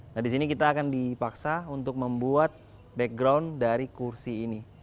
nah di sini kita akan dipaksa untuk membuat background dari kursi ini